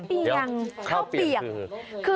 เดี๋ยวข้าวเปียงคือ